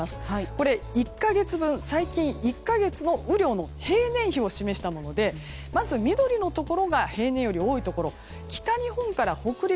これ、最近１か月分の雨量の平年比なんですがまず緑のところが平年より多いところ、北日本から北陸